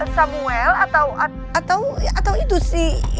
samuel atau itu sih